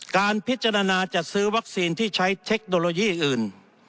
การพิจารณาจัดซื้อวัคซีนที่ใช้เทคโนโลยีอื่น